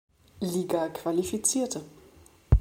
Liga qualifizierte.